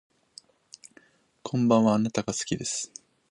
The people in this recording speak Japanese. こんばんはあなたが好きです